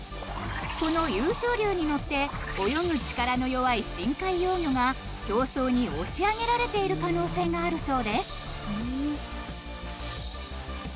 この湧昇流に乗って泳ぐ力の弱い深海幼魚が表層に押し上げられている可能性があるそうです